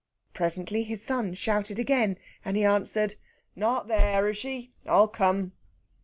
Presently his son shouted again, and he answered, "Not there, is she? I'll come."